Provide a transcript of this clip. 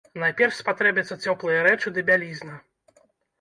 Найперш спатрэбяцца цёплыя рэчы ды бялізна.